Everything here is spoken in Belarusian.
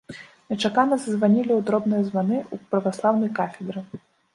Нечакана зазванілі ў дробныя званы ў праваслаўнай кафедры.